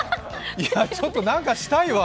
ちょっと何かしたいわ！